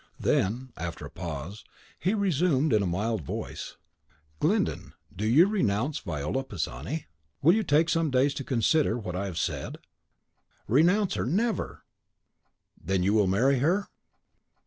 Then, after a pause, he resumed in a mild voice, "Glyndon, do you renounce Viola Pisani? Will you take some days to consider what I have said?" "Renounce her, never!" "Then you will marry her?"